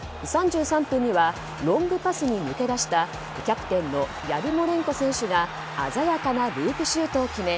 ３３分にはロングパスに抜け出したキャプテンのヤルモレンコ選手が鮮やかなループシュートを決め